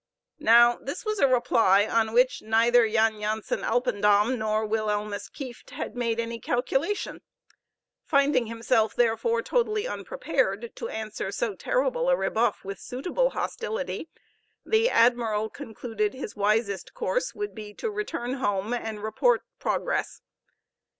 Now this was a reply on which neither Jan Jansen Alpendam nor Wilhelmus Kieft had made any calculation. Finding himself, therefore, totally unprepared to answer so terrible a rebuff with suitable hostility, the admiral concluded his wisest course would be to return home and report progress.